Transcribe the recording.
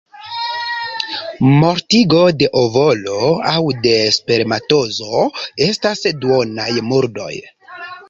Mortigo de ovolo aŭ de spermatozoo estas duonaj murdoj.